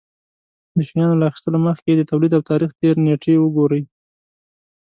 د شيانو له اخيستلو مخکې يې د توليد او تاريختېر نېټې وگورئ.